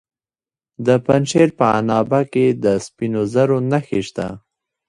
د پنجشیر په عنابه کې د سپینو زرو نښې شته.